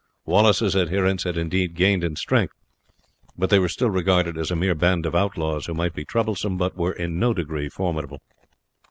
Wallace's adherents had indeed gained in strength; but they were still regarded as a mere band of outlaws who might be troublesome, but were in no degree formidable.